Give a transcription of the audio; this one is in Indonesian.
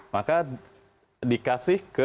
maka dikasih ke